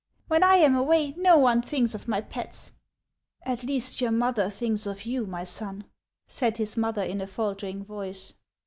When I am away no one thinks of my pets." " At least your mother thinks of you, my son," said his mother in a faltering voice.